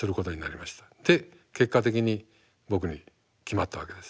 で結果的に僕に決まったわけです。